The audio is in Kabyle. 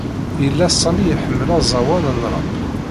Yella Sami iḥemmel aẓawan n Rap.